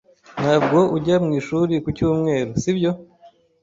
Ntabwo ujya mwishuri ku cyumweru, sibyo?